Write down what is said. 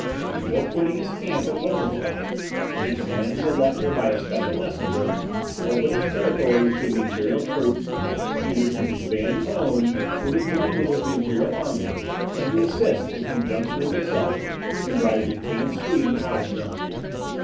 Before quitting his camp at Wolmerstadt, he commanded the Elector, by a special messenger, to open his territories to the imperial troops; either to disband his own, or to join them to the imperial army; and to assist, in conjunction with himself, in driving the King of Sweden out of Germany.